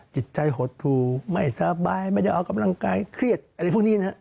จิตใจหดหูไม่สบายไม่ได้ออกกำลังกายเครียดอะไรพวกนี้นะครับ